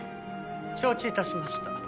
承知致しました。